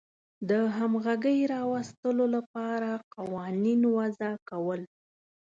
د همغږۍ راوستلو لپاره قوانین وضع کول.